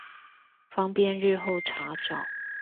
方便日後查找